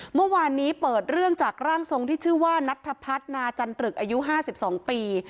เมื่อวานนี้เปิดเรื่องจากร่างทรงที่ชื่อว่านัทพัฒนาจันตรึกอายุ๕๒ปี